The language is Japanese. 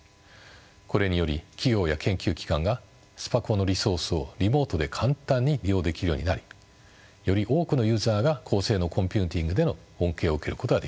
これにより企業や研究機関がスパコンのリソースをリモートで簡単に利用できるようになりより多くのユーザーが高性能コンピューティングでの恩恵を受けることができます。